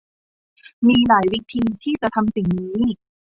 มีหลายวิธีที่จะทำสิ่งนี้